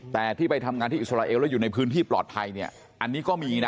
แต่ที่ไปทำงานที่อิสราเอลแล้วอยู่ในพื้นที่ปลอดภัยเนี่ยอันนี้ก็มีนะ